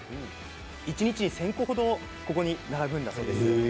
一日１０００個程ここに並ぶんだそうです。